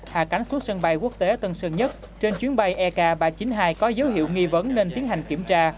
hạ cánh xuống sân bay quốc tế tân sơn nhất trên chuyến bay ek ba trăm chín mươi hai có dấu hiệu nghi vấn nên tiến hành kiểm tra